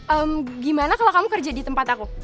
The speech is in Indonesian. ehm gimana kalau kamu kerja di tempat aku